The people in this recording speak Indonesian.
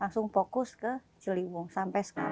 langsung fokus ke ciliwung sampai sekarang